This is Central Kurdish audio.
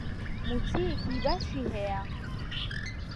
مووچەیەکی باشی هەیە.